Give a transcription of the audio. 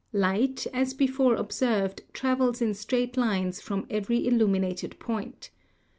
Light, as before observed, travels in straight lines from every illuminated point.